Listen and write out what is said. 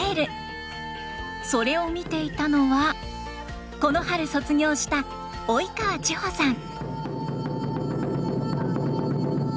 それを見ていたのはこの春卒業した及川千穂さん。